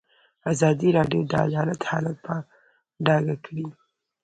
ازادي راډیو د عدالت حالت په ډاګه کړی.